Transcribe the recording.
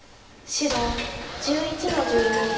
白１１の十四。